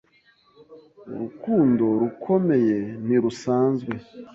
Urukundo rukomeye ntirusanzwe